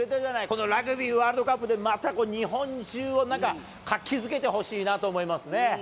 このラグビーワールドカップで、また日本中をなんか活気づけてほしいなと思いますね。